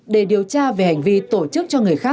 để điều tra về hành vi tổ chức cho người khác